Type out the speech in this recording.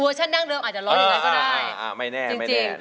อูเอ่อฉันนั่งเลยอาจจะร้องอย่างไรก็ได้